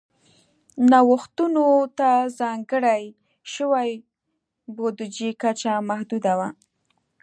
نوښتونو ته ځانګړې شوې بودیجې کچه محدوده وه.